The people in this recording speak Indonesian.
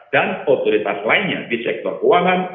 dan otoritas lainnya di sektor keuangan